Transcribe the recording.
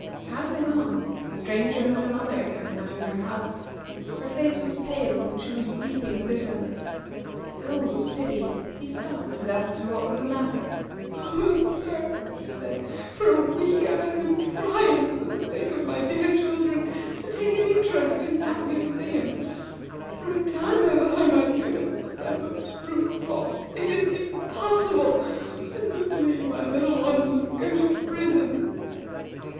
Passing on, the Stranger met a mother coming out of her house. Her face was pale, and she was weeping bitterly. Filled with pity, he stopped and asked her what was the matter. "Oh, sir," she said, "for a week I have been trying, for the sake of my dear children, to take an interest in that museum. For a time I thought I might do it, but the hopes proved false. It is impossible. I must leave my little ones, and go to prison."